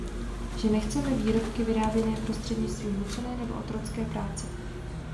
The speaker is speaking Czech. Že nechceme výrobky vyráběné prostřednictvím nucené nebo otrocké práce!